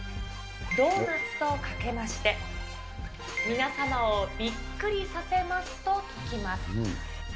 ドーナツとかけまして、皆様をびっくりさせますとときます。